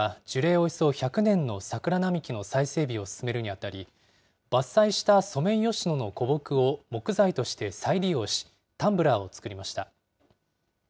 およそ１００年の桜並木の再整備を進めるにあたり、伐採したソメイヨシノの古木を木材として再利用し、タンブラーを作りました。